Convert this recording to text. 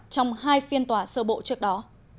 trong hai phiên tòa sơ bộ trước đó